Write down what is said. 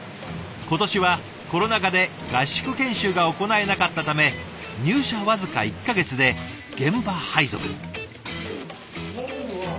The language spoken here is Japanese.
今年はコロナ禍で合宿研修が行えなかったため入社僅か１か月で現場配属に。